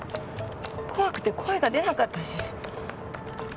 怖くて声が出なかったし。